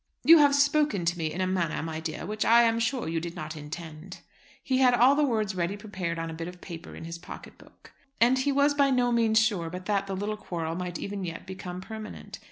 "You have spoken to me in a manner, my dear, which I am sure you did not intend." He had all the words ready prepared on a bit of paper in his pocket book. And he was by no means sure but that the little quarrel might even yet become permanent.